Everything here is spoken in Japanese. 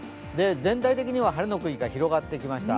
全体的には晴れの区域が広がってきました。